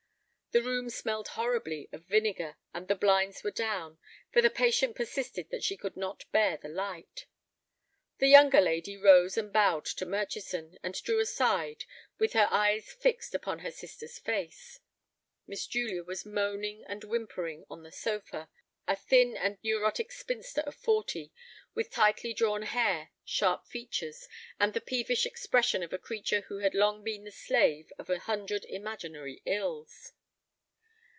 The room smelled horribly of vinegar, and the blinds were down, for the patient persisted that she could not bear the light. The younger lady rose and bowed to Murchison, and drew aside, with her eyes fixed upon her sister's face. Miss Julia was moaning and whimpering on the sofa, a thin and neurotic spinster of forty with tightly drawn hair, sharp features, and the peevish expression of a creature who had long been the slave of a hundred imaginary ills.